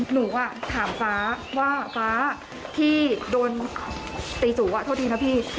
หนูถามฟ้าว่าฟ้าที่โดนตีจูโทษดีนะพี่